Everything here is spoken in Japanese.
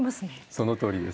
そのとおりです。